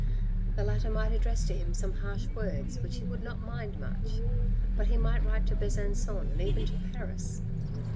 The latter might address to him some harsh words, which he would not mind much ; but he might write to Besancon and even to Paris.